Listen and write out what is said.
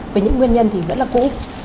với những nguyên nhân thì vẫn là cũ